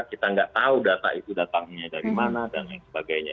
kita nggak tahu data itu datangnya dari mana dan lain sebagainya